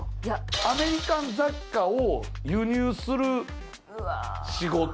アメリカン雑貨を輸入する仕事。